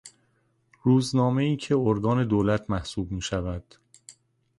روزنامهای که ارگان دولت محسوب میشود.